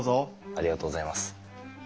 ありがとうございます。